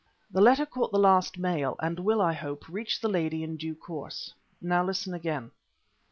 The letter caught the last mail and will, I hope, reach the lady in due course. Now listen again.